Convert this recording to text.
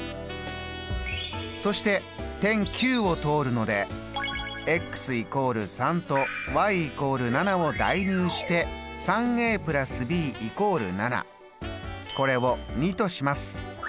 そして点Ｑを通るので＝３と＝７を代入して３＋ｂ＝７これを②とします。